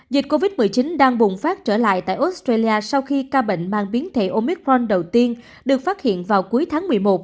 dịch covid một mươi chín đang bùng phát trở lại tại australia sau khi ca bệnh mang biến thể omicron đầu tiên được phát hiện vào cuối tháng một mươi một